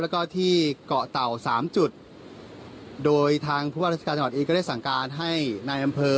แล้วก็ที่เกาะเต่าสามจุดโดยทางผู้ว่าราชการจังหวัดเองก็ได้สั่งการให้นายอำเภอ